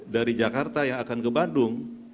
dari jakarta yang akan ke bandung